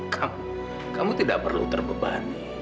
kamu kamu tidak perlu terbebani